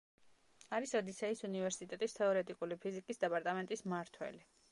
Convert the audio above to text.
არის ოდესის უნივერსიტეტის თეორეტიკული ფიზიკის დეპარტამენტის მმართველი.